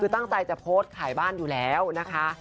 คือตั้งใจจะโพสต์ขายบ้านอยู่แล้วนะคะ